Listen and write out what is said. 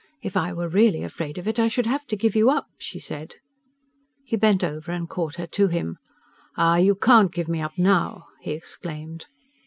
If I were really afraid of it I should have to give you up," she said. He bent over her and caught her to him. "Ah, you can't give me up now!" he exclaimed.